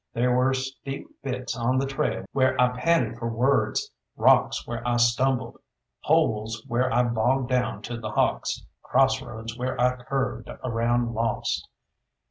There were steep bits on the trail where I panted for words, rocks where I stumbled, holes where I bogged down to the hocks, cross roads where I curved around lost.